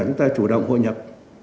chúng ta chủ động hội nhập